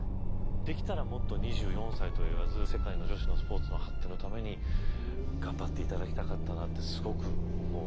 できたらもっと２４歳といわず世界の女子のスポーツの発展のために頑張っていただきたかったなってすごく思う。